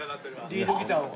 リードギターを。